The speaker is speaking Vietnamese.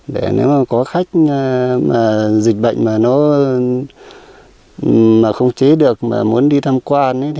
nếu có khách dịch bệnh mà không chế được mà muốn đi tham quan